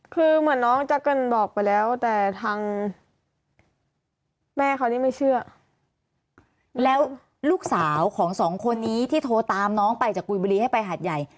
คือเหมือนน้องจะเกิดบอกไปแล้วแต่ทางแม่เขานี่ไม่เชื่อแล้วลูกสาวของสองคนนี้ที่โทรตามน้องไปจากกุยบุรีให้ไปหาดใหญ่